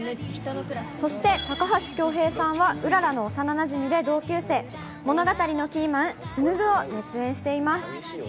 そして、高橋恭平さんはうららの幼なじみで同級生、物語のキーマン、紡を熱演しています。